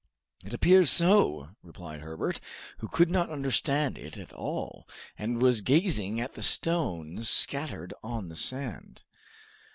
'' "It appears so," replied Herbert, who could not understand it at all, and was gazing at the stones scattered on the sand.